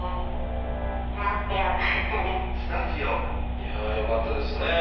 いやあよかったですね。